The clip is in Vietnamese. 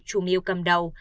chủng yêu cầm đầu